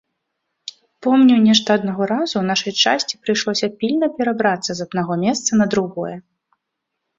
Помню, нешта аднаго разу нашай часці прыйшлося пільна перабрацца з аднаго месца на другое.